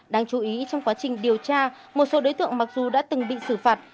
đáng chú ý trong quá trình điều tra một số đối tượng mặc dù đã từng bị xử phạt